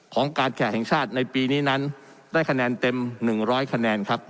ของการแขกแห่งชาติในปีนี้นั้นได้คะแนนเต็ม๑๐๐คะแนนครับ